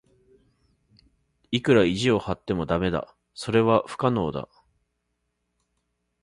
いくら意地を張っても駄目だ。それは不可能だ。